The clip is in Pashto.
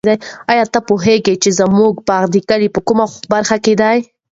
آیا ته پوهېږې چې زموږ باغ د کلي په کومه برخه کې دی؟